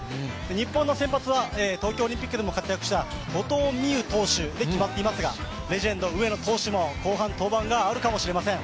日本の先発は東京オリンピックでも活躍した後藤希友投手で決まっていますがレジェンド・上野投手も後半、登板があるかもしれません。